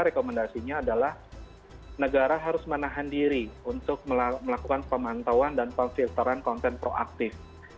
dan rekomendasinya adalah negara harus menahan diri untuk melakukan pemantauan dan penfilteran konten proaktif